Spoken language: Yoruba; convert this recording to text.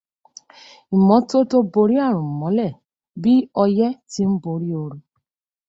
Ìmọ́tótó borí àrùn mọ́lẹ̀ bí ọyẹ ti ń borí oru.